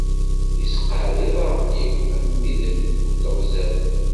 Isseqɛad iḍarren-iw am wid n teɣzalt.